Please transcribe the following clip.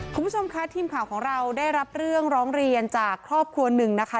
คุณผู้ชมคะทีมข่าวของเราได้รับเรื่องร้องเรียนจากครอบครัวหนึ่งนะคะ